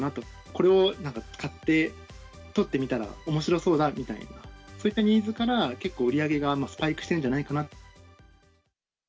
これを買って撮ってみたらおもしろそうだみたいな、そういったニーズから、結構、売り上げがスパイクしてるんじゃないかなと。